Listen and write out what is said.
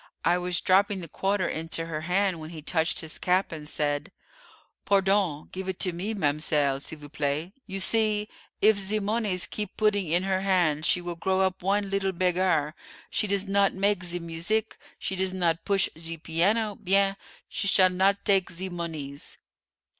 I was dropping the quarter into her hand, when he touched his cap, and said, 'Pardon, give it to me, ma'mselle, s'il vous plaît. You see, if ze monees keep putting in her hand she will grow up one leetle beggair; she does not make ze muzeek, she does not push ze piano bien, she s'all not take zee monees."